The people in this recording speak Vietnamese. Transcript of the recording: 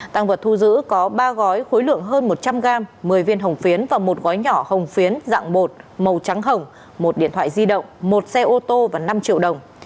tăng vật thu giữ có ba gói khối lượng hơn một trăm linh gram một mươi viên hồng phiến và một gói nhỏ hồng phiến dạng bột màu trắng hồng một điện thoại di động một xe ô tô và năm triệu đồng